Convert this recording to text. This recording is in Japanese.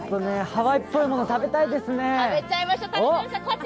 ハワイっぽいもの食べたいですね。